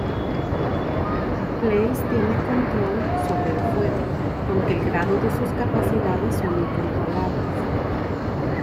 Blaze tiene control sobre el fuego, aunque el grado de sus capacidades son incontrolables.